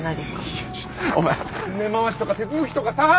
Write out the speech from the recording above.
お前根回しとか手続きとかさ。